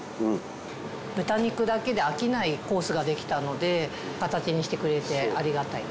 豚肉だけで飽きないコースができたので形にしてくれてありがたい。